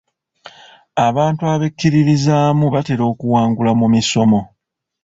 Abantu abekkiririzaamu batera okuwangula mu misomo.